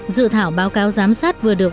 dự thảo báo cáo giám sát vừa được